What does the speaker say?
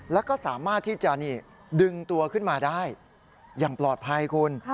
แล้วก็สามารถที่จะดึงตัวขึ้นมาได้อย่างปลอดภัยคุณ